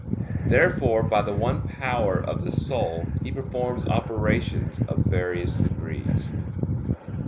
Therefore by the one power of the soul he performs operations of various degrees.